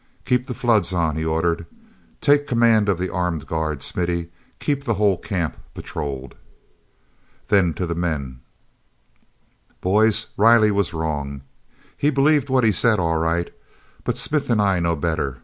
"Keep the floods on!" he ordered. "Take command of the armed guard, Smithy; keep the whole camp patrolled." Then to the men: "Boys, Riley was wrong. He believed what he said, all right, but Smith and I know better.